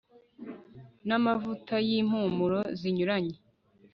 n'amavuta y'impumuro zinyuranye